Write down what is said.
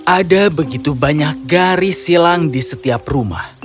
ada begitu banyak garis silang di setiap rumah